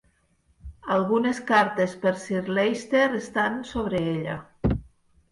Algunes cartes per Sir Leicester estan sobre ella.